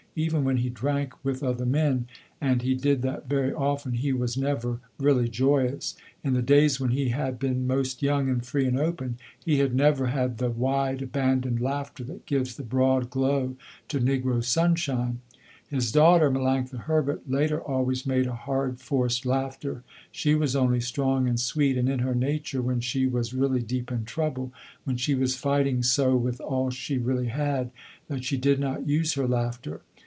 Even when he drank with other men, and he did that very, often, he was never really joyous. In the days when he had been most young and free and open, he had never had the wide abandoned laughter that gives the broad glow to negro sunshine. His daughter, Melanctha Herbert, later always made a hard forced laughter. She was only strong and sweet and in her nature when she was really deep in trouble, when she was fighting so with all she really had, that she did not use her laughter.